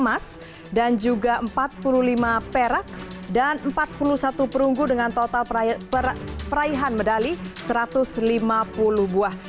enam emas dan juga empat puluh lima perak dan empat puluh satu perunggu dengan total peraihan medali satu ratus lima puluh buah